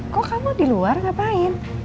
kok kamu di luar ngapain